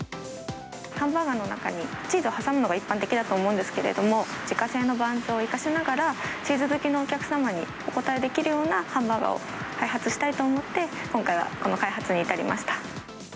ハンバーガーの中に、チーズを挟むのが一般的だと思うんですけれども、自家製のバンズを生かしながら、チーズ好きのお客様にお応えできるようなハンバーガーを開発したいと思って、今回はこの開発に至りました。